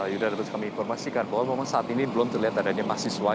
yuda dapat kami informasikan bahwa memang saat ini belum terlihat adanya mahasiswa